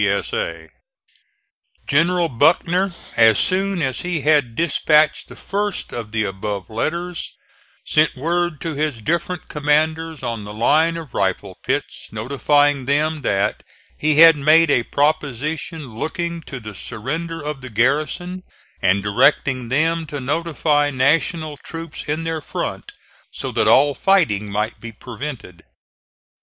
C. S. A. General Buckner, as soon as he had dispatched the first of the above letters, sent word to his different commanders on the line of rifle pits, notifying them that he had made a proposition looking to the surrender of the garrison, and directing them to notify National troops in their front so that all fighting might be prevented.